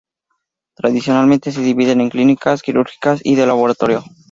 Tradicionalmente se dividen en clínicas, quirúrgicas, y de laboratorio.